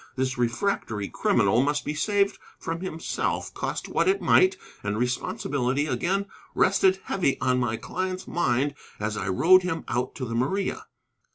This refractory criminal must be saved from himself, cost what it might, and responsibility again rested heavy on my client's mind as I rowed him out to the Maria.